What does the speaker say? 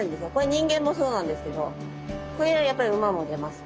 人間もそうなんですけどこれはやっぱり馬も出ます。